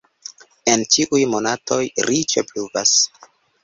En ĉiuj monatoj riĉe pluvas.